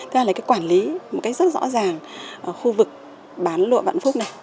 thế là lấy cái quản lý một cách rất rõ ràng khu vực bán lụa vạn phúc này